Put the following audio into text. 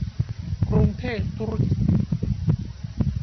กรุงเทพธุรกิจ